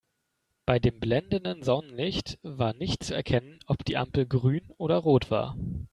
Bei dem blendenden Sonnenlicht war nicht zu erkennen, ob die Ampel grün oder rot war.